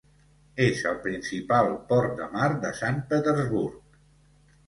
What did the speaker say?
És el principal port de mar de Sant Petersburg.